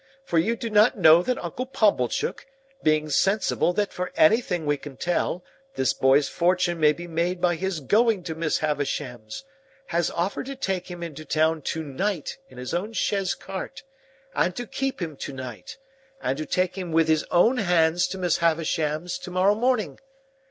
For you do not know that Uncle Pumblechook, being sensible that for anything we can tell, this boy's fortune may be made by his going to Miss Havisham's, has offered to take him into town to night in his own chaise cart, and to keep him to night, and to take him with his own hands to Miss Havisham's to morrow morning.